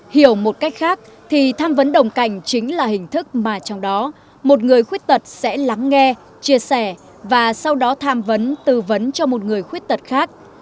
hiểu một cách khác thì tham vấn đồng cảnh chính là hình thức mà trong đó một người khuyết tật sẽ lắng nghe chia sẻ và sau đó tham vấn tư vấn cho một người khuyết tật khác